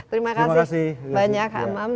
terima kasih banyak hamam